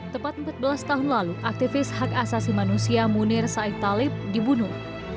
tepat empat belas tahun lalu aktivis hak asasi manusia munir said talib dibunuh